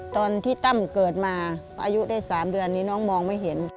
ตั้มเกิดมาอายุได้๓เดือนนี้น้องมองไม่เห็น